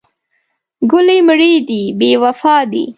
ګلې مړې دې بې وفا دي.